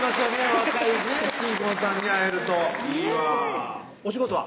若い新婚さんに会えるといいわお仕事は？